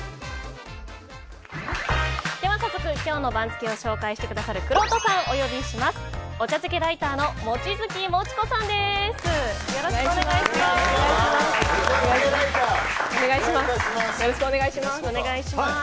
早速今日の番付を紹介してくださるくろうとさんをお呼びします。